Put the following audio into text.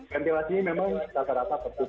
ventilasi memang rata rata perpustaka